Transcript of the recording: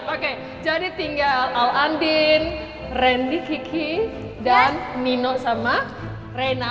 oke jadi tinggal al andin randy kiki dan nino sama reina